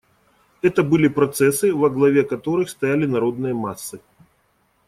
Это были процессы, во главе которых стояли народные массы.